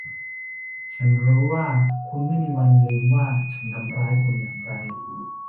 ฉันรู้ว่าคุณไม่มีวันลืมว่าฉันทำร้ายคุณอย่างไร